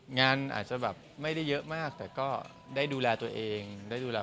งานอาจจะไม่ได้เยอะมากแต่ได้ดูแลตัวเองเข้าข่าวที่มาก